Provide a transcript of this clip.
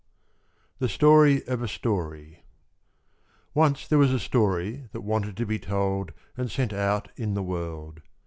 The Story of a Story Once there was a story that wanted to be told and sent out in the world.